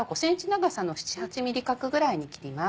長さの７８ｍｍ角ぐらいに切ります。